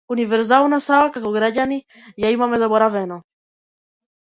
Универзална сала како граѓани ја имаме заборавено.